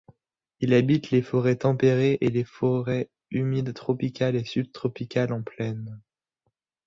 Il habite les forêts tempérées et les forêts humides tropicales et subtropicales en plaine.